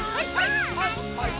はいはい！